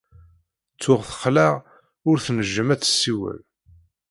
Ttuɣ texleɛ ul tnejjem ad tessiwel.